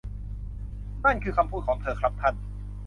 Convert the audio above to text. นั่นคือคำพูดของเธอครับท่าน